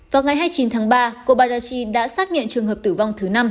vào ngày hai mươi chín tháng ba cô bajachi đã xác nhận trường hợp tử vong thứ năm